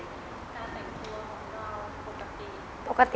การแต่งตัวของเราปกติ